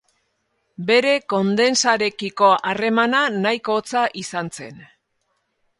Bere kondesarekiko harremana nahiko hotza izan zen.